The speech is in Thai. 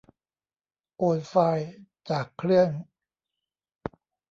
โอนไฟล์จากเครื่อง